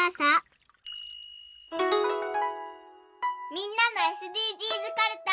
みんなのＳＤＧｓかるた。